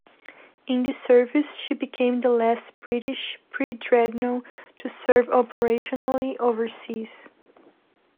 In this service she became the last British pre-dreadnought to serve operationally overseas.